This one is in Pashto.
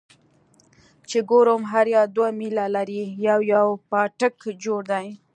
چې ګورم هر يو دوه ميله لرې يو يو پاټک جوړ دى.